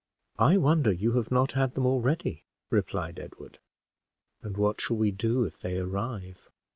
"I wonder you have not had them already," replied Edward. "And what shall we do if they arrive?"